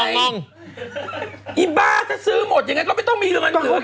อีบ้าจะซื้อหมดยังไงก็ไม่ต้องมีเรื่องนั้น